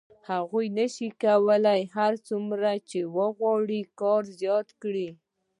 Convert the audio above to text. خو هغه نشي کولای هر څومره چې وغواړي کار زیات کړي